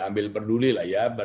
ambil peduli lah ya